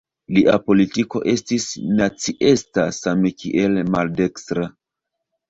Lia politiko estis naciista same kiel maldekstra.